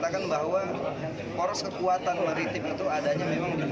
khususnya itu ada